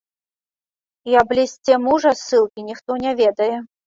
І аб лісце мужа з ссылкі ніхто не ведае.